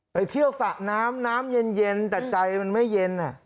ไปเที่ยวสระน้ำน้ำเย็นแต่ใจมันไม่เย็น